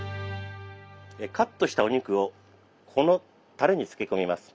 カットしたお肉をこのたれに漬け込みます。